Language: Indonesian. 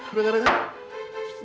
udah ngeri kan